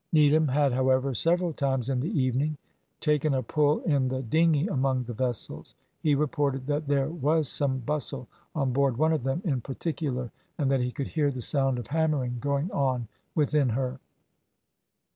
Needham had, however, several times in the evening, taken a pull in the dinghy among the vessels. He reported that there was some bustle on board one of them in particular, and that he could hear the sound of hammering going on within her.